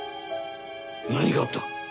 何があった？